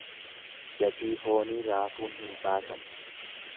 Gatii foonii raafuun hin baasan.